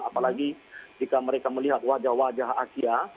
apalagi jika mereka melihat wajah wajah asia